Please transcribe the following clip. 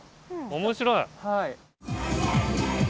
面白い。